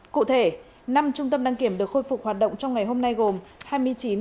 cụ thể năm trung tâm đăng kiểm được khôi phục hoạt động trong ngày hôm nay gồm